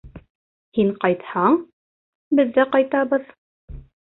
Һин ҡайтһаң, беҙ ҙә ҡайтабыҙ